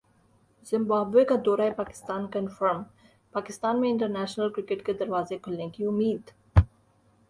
Zimbabwe کا دورہ Pakistan confirm Pakistan میں انٹرنیشنل کرکٹ کے دروازے کھلنے کی امید